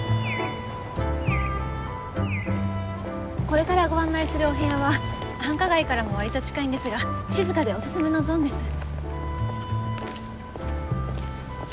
これからご案内するお部屋は繁華街からもわりと近いんですが静かでおすすめのゾーンです。